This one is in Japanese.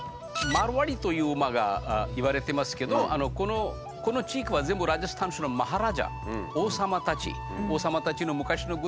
「マルワリ」という馬がいわれてますけどこの地域は全部ラジャスタン州のマハラジャ王様たち。